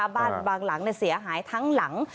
บางหลังเสียหายทั้งหลัง